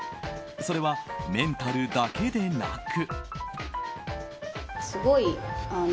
それはメンタルだけでなく。